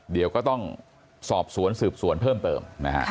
เดี๋ยวก็ต้องสอบสวนสืบสวนเพิ่มเติมนะฮะ